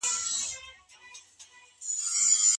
د کورنۍ د اقتصاد په اړه څنګه معلومات تر لاسه کړو؟